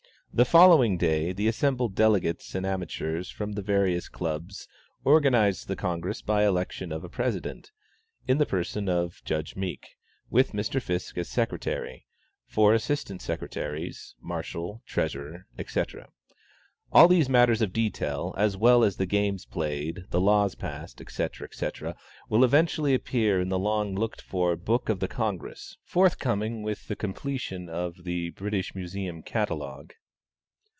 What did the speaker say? The following day, the assembled delegates and amateurs from the various clubs, organized the Congress by the election of a president, in the person of Judge Meek, with Mr. Fiske as secretary, four assistant secretaries, marshals, treasurer, etc. All these matters of detail, as well as the games played, the laws passed, etc., etc., will eventually appear in the long looked for "Book of the Congress," forthcoming with the completion of the "British Museum Catalogue."